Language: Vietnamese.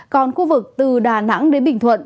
còn khu vực từ đà nẵng đến bình thuận